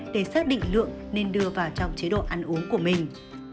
để xác định lượng nên đưa vào trong chế độ ăn uống của mình